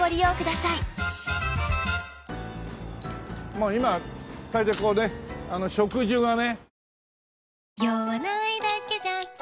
もう今は大抵こうね植樹がね。